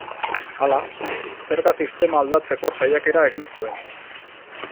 Hala, zerga sistema aldatzeko saiakera egin zuen.